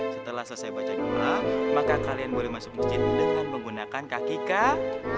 setelah selesai baca doa maka kalian boleh masuk masjid dengan menggunakan kaki kah